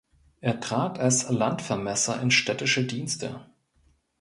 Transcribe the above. Er trat als Landvermesser in städtische Dienste.